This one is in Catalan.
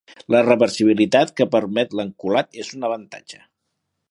La reversibilitat que permet l'encolat és un avantatge.